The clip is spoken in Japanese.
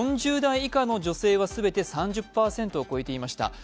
４０代以下の女性は全て３０％を超えていました。